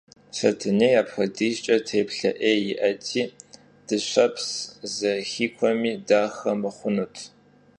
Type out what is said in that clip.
Setenêy apxuedizç'e têplhe 'êy yi'eti dışeps zexikuemi daxe mıxhunut.